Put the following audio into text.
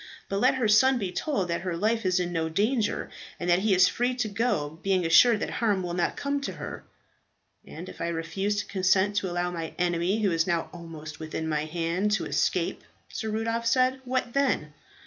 But let her son be told that her life is in no danger, and that he is free to go, being assured that harm will not come to her." "And if I refuse to consent to allow my enemy, who is now almost within my hand, to escape," Sir Rudolph said, "what then?"